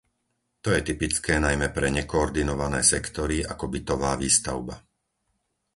To je typické najmä pre nekoordinované sektory, ako bytová výstavba.